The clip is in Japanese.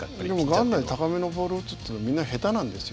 元来高めのボール打つというのはみんな下手なんですよ。